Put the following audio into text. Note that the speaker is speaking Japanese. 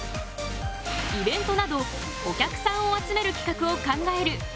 イベントなどお客さんを集めるきかくを考える販売促進